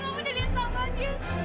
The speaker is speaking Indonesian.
kamu jadi sama dia